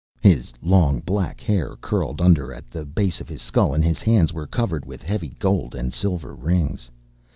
His long black hair curled under at the base of his skull, and his hands were covered with heavy gold and silver rings.